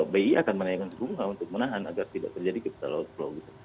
bi akan menaikkan bunga untuk menahan agar tidak terjadi capital outflow